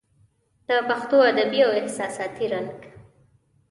د پښتو ادبي او احساساتي رنګ